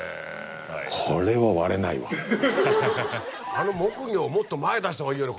あの木魚をもっと前へ出した方がいいよね